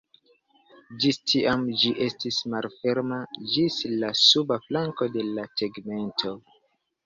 Ĝis tiam ĝi estis malferma ĝis la suba flanko de la tegmento.